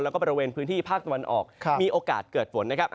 แล้วก็บริเวณพื้นที่ภาคตะวันออกมีโอกาสเกิดฝนนะครับ